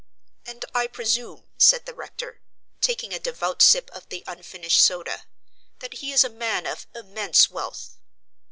"And I presume," said the rector, taking a devout sip of the unfinished soda, "that he is a man of immense wealth?"